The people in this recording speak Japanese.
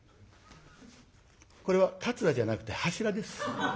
これは「桂」じゃなくて「柱」です。